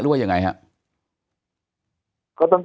หรือว่าอย่างไรครับ